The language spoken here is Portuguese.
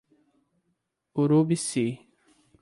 Urubici